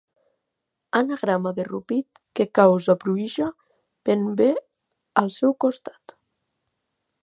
Anagrama de Rupit que causa pruïja ben bé al seu costat.